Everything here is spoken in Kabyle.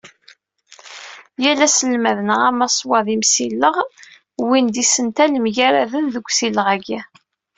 Yal aselmad neɣ amaswaḍ imsileɣ, wwin-d isental mgaraden, deg usileɣ-agi.